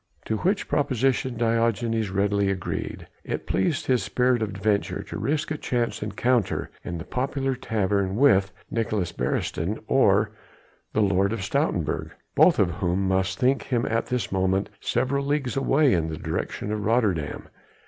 To which proposition Diogenes readily agreed. It pleased his spirit of adventure to risk a chance encounter in the popular tavern with Nicolaes Beresteyn or the Lord of Stoutenburg, both of whom must think him at this moment several leagues away in the direction of Rotterdam.